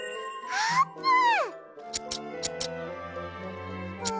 あーぷん？